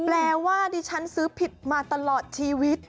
แปลว่าดิฉันซื้อผิดมาตลอดชีวิต